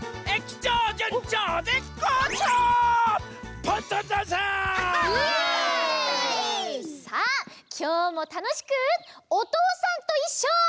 きょうもたのしく「おとうさんといっしょ」。